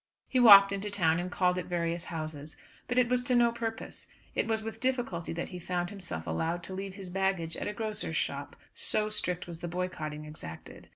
He walked into town and called at various houses; but it was to no purpose. It was with difficulty that he found himself allowed to leave his baggage at a grocer's shop, so strict was the boycotting exacted.